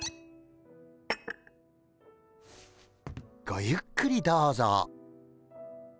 ごゆっくりどうぞ。